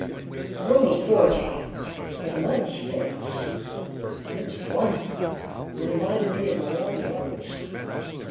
The room was poor, John, but the mother's face! It was wonderful! It reminded me of my own mother's.